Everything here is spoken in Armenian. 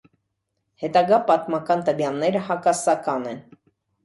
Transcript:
Հետագա պատմական տվյալները հակասական են։